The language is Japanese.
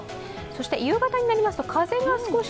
夕方になりますと風が少し？